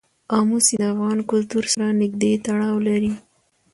آمو سیند د افغان کلتور سره نږدې تړاو لري.